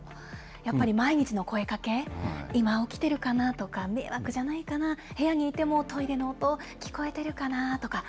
やっぱり毎日の声かけ、今起きてるかなとか、迷惑じゃないかな、部屋にいてもトイレの音、聞こえてるかなとか。